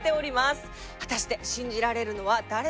果たして信じられるのは誰なのか？